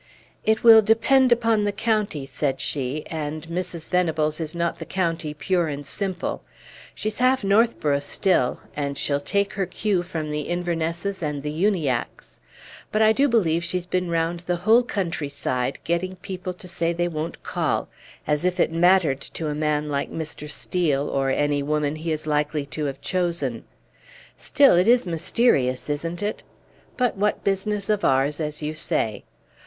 "It will depend upon the county," said she; "and Mrs. Venables is not the county pure and simple, she's half Northborough still, and she'll take her cue from the Invernesses and the Uniackes. But I do believe she's been round the whole country side, getting people to say they won't call; as if it mattered to a man like Mr. Steel, or any woman he is likely to have chosen. Still, it is mysterious, isn't it? But what business of ours, as you say?